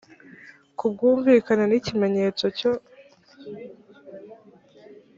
ku bwumvikane n ikimenyetso cyo